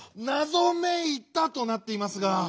「なぞめいた」となっていますが。